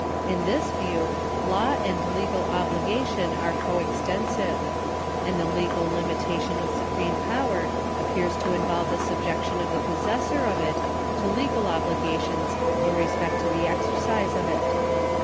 In this view, law and legal obligation are co extensive, and the legal limitation of supreme power appears to involve the subjec tion of the possessor of it to legal obligations in respect to the exercise of 1 .